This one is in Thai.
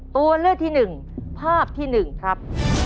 ตัวเลือกที่๑ภาพที่๑ครับ